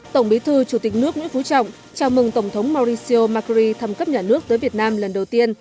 tổng bí thư chủ tịch nước nguyễn phú trọng chào mừng tổng thống mauricio macri thăm cấp nhà nước tới việt nam lần đầu tiên